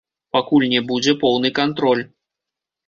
Пакуль не будзе поўны кантроль.